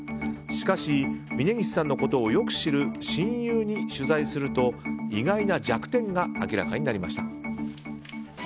しかし峯岸さんのことをよく知る親友に取材すると意外な弱点が明らかになりました。